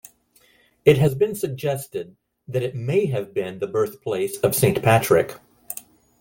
It has been suggested that it may have been the birthplace of Saint Patrick.